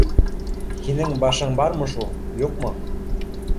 — Һинең башың бармы шул, юҡмы?!